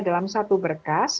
dalam satu berkas